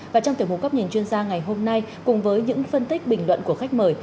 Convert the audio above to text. và trong tiểu mục góc nhìn chuyên gia ngày hôm nay cùng với những phân tích bình luận của khách mời